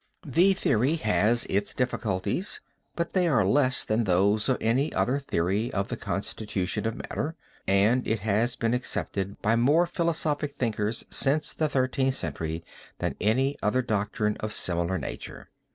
The theory has its difficulties, but they are less than those of any other theory of the constitution of matter, and it has been accepted by more philosophic thinkers since the Thirteenth Century than any other doctrine of similar nature.